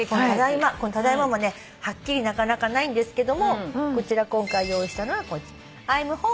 「ただいま」もねはっきりなかなかないんですけども今回用意したのは。